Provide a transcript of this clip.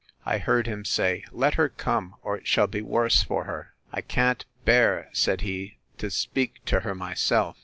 I heard him say, Let her come, or it shall be worse for her. I can't bear, said he, to speak to her myself!